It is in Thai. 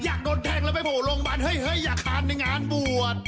อยากโดนแทงแล้วไปโผล่โรงพยาบาลเฮ้ยอยากตามในงานบวช